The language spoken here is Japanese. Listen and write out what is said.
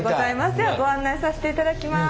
じゃあご案内させていただきます。